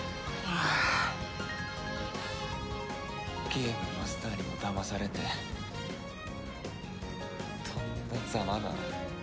ゲームマスターにもだまされてとんだザマだな。